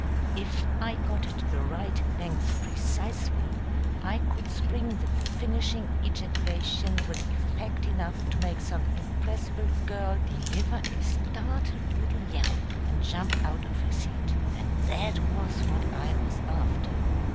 If I got it the right length precisely, I could spring the finishing ejaculation with effect enough to make some impressible girl deliver a startled little yelp and jump out of her seat and that was what I was after.